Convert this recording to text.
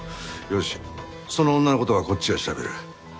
よしその女の事はこっちが調べる。